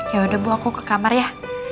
ya udah bu aku ke kamar ya